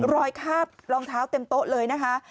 คาบรองเท้าเต็มโต๊ะเลยนะคะ